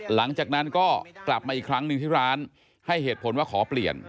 หลังจากนั้นก็กลับมาอีกครั้งหนึ่งที่ร้านให้เหตุผลว่าขอเปลี่ยน